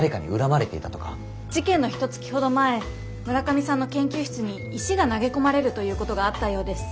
事件のひとつきほど前村上さんの研究室に石が投げ込まれるということがあったようです。